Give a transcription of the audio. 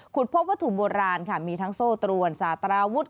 พบวัตถุโบราณค่ะมีทั้งโซ่ตรวนสาตราวุฒิ